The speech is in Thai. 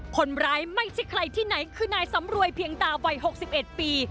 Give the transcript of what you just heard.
ไม่ใช่ใครที่ไหนคือนายสำรวยเพียงตาวัย๖๑ปี